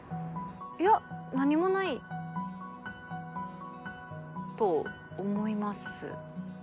いや何もないと思います。